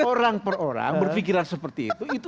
orang per orang berpikiran seperti itu